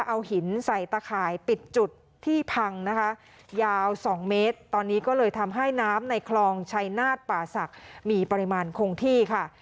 เอาหินใส่ตะขายปิดจุดที่พังนะคะยาวสองเมตร